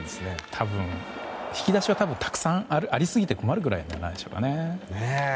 多分引き出しはありすぎて困るぐらいじゃないでしょうかね。